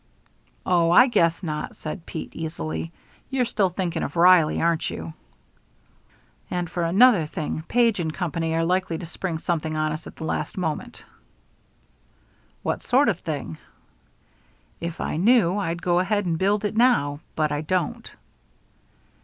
"Oh, I guess not," said Pete, easily. "You're still thinking of Reilly, aren't you." "And for another thing, Page & Company are likely to spring something on us at the last moment." "What sort of thing?" "If I knew I'd go ahead and build it now, but I don't."